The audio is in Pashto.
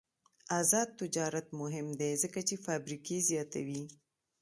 آزاد تجارت مهم دی ځکه چې فابریکې زیاتوي.